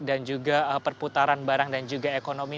dan juga perputaran barang dan juga ekonomi